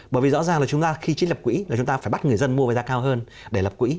bởi vì rõ ràng là chúng ta khi chích lập quỹ là chúng ta phải bắt người dân mua với giá cao hơn để lập quỹ